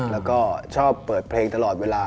แล้วก็ชอบเปิดเพลงตลอดเวลา